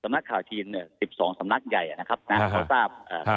สำนักข่าวจีน๑๒สำนักใหญ่นะครับ